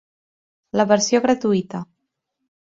La versió gratuïta.